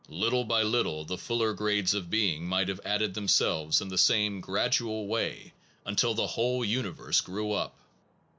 Little by little the fuller grades of being might have added themselves in the same gradual way until the whole universe grew up.